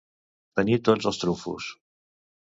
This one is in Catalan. Tenir tots els trumfos.